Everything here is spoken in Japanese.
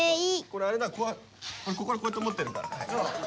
俺ここからこうやって持ってるからね。